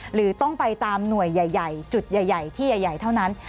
หรือต้องไปตามหน่วยใหญ่จุดใหญ่ที่ใหญ่เท่านั้น